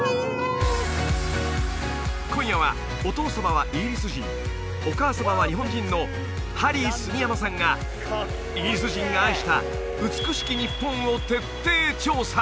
今夜はお父様はイギリス人お母様は日本人のハリー杉山さんがイギリス人が愛した美しき日本を徹底調査！